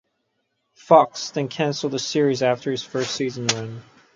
Fox then canceled the series after its first season run.